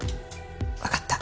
わかった。